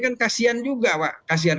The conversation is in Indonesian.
kan kasian juga pak kasian